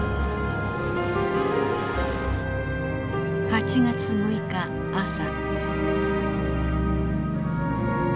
８月６日朝。